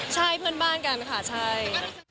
ใช่เพื่อนบ้านกันค่ะใช่